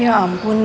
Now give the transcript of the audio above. ya ampun nino